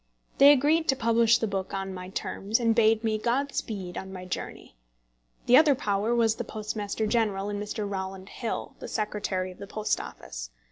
They agreed to publish the book on my terms, and bade me God speed on my journey. The other power was the Postmaster General and Mr. Rowland Hill, the Secretary of the Post Office.